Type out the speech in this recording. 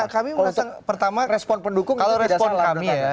kalau respon pendukung itu tidak salah